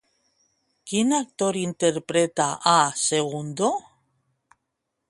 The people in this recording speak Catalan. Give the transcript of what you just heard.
Quin actor interpreta a Segundo?